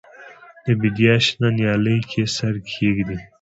د بیدیا شنه نیالۍ کې سر کښېږدي